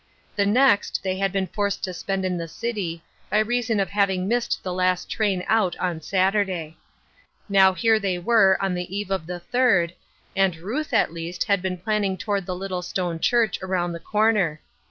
The next they had been forced to spend in the city, by reason of having missed the last train out on Saturday. Now here they were on the eve of the third, and Ruth at least had been planning toward the little stone church around the corner.